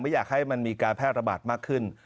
อยากให้มันมีการแพร่ระบาดมากขึ้น